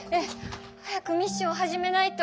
早くミッションを始めないと。